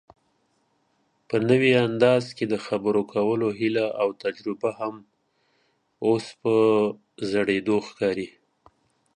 په نوي انداز کې دخبرو کولو هيله اوتجربه هم اوس په زړېدو ښکاري